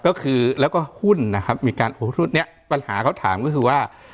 ก็คือแล้วก็หุ้นนะครับมีการโอทุดเนี้ยปัญหาเขาถามก็คือว่า